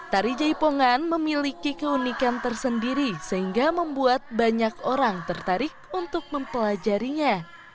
tari jaipongan memiliki keunikan tersendiri sehingga membuat banyak orang tertarik untuk mempelajarinya